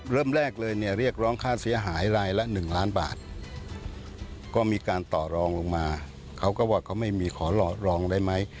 เริ่มแรกเลยเนี่ยเรียกร้องค่าเสียหายรายละ๑ล้านบาทก็มีการต่อรองลงมาเขาก็ว่าเขาไม่มีขอหลอดรองได้ไหม